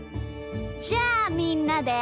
じゃあみんなで。